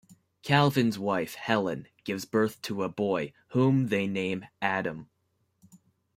Calvin's wife Helen gives birth to a boy, whom they name Adam.